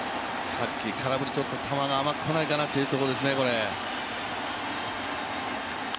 さっき空振り取った球が甘く来ないかなというところですね、これ。